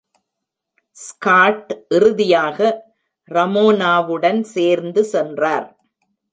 Scott இறுதியாக ரமோனாவுடன் சேர்ந்து சென்றார்.